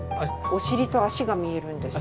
お尻と足が見えるんです。